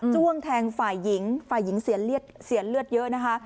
จ้วงแทงฝ่ายหญิงฝ่ายหญิงเสียเลือดเสียเลือดเยอะนะคะ